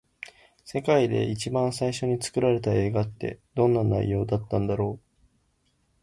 世界で一番最初に作られた映画って、どんな内容だったんだろう。